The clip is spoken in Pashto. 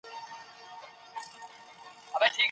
تاسو کله خپلې پانګې ته وده ورکوئ؟